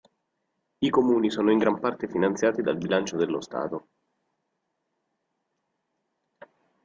I comuni sono in gran parte finanziati dal bilancio dello Stato.